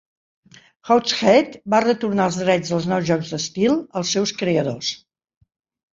Hogshead va retornar els drets dels nous jocs d'estil als seus creadors.